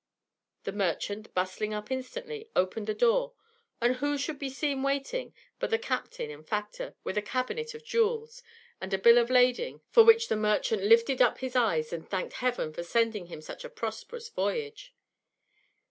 The merchant, bustling up instantly, opened the door, and who should be seen waiting but the captain and factor, with a cabinet of jewels, and a bill of lading, for which the merchant lifted up his eyes and thanked heaven for sending him such a prosperous voyage.